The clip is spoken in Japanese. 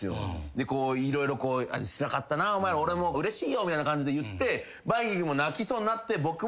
こう色々つらかったなお前ら俺もうれしいよみたいな感じで言ってバイきんぐも泣きそうになって僕も。